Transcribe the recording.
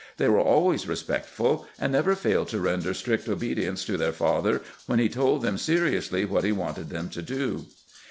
They were always respectful, and never failed to render strict obedience to their father when he told them seriously what he wanted them to do.